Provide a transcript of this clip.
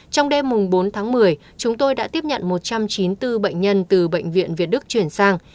trong đêm bốn tháng một mươi chúng tôi đã tiếp nhận một trăm chín mươi bốn bệnh nhân từ bệnh viện việt đức chuyển sang